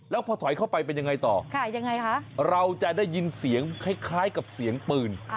แล้วพอถอยเข้าไปเป็นยังไงต่อยังไงคะเราจะได้ยินเสียงคล้ายกับเสียงปืน